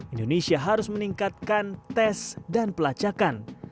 indonesia harus meningkatkan tes dan pelacakan